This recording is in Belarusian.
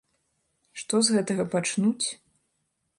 Што з гэтага пачнуць.